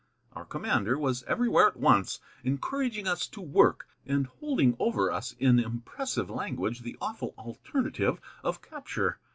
Our commander was everywhere at once, encouraging us to work, and holding over us in impressive language the awful alternative of capture.